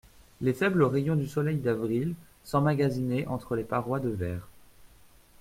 Les faibles rayons du soleil d’avril s’emmagasinaient entre les parois de verre.